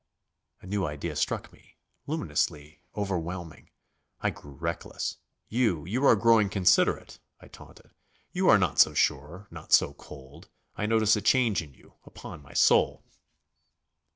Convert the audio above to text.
A new idea struck me luminously, overwhelming. I grew reckless. "You you are growing considerate," I taunted. "You are not so sure, not so cold. I notice a change in you. Upon my soul